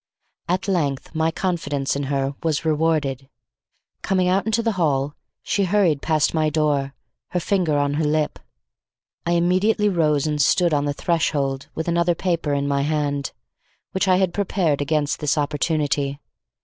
At length, my confidence in her was rewarded. Coming out into the hall, she hurried past my door, her finger on her lip. I immediately rose and stood on the threshold with another paper in my hand, which I had prepared against this opportunity.